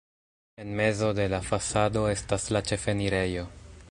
En mezo de la fasado estas la ĉefenirejo.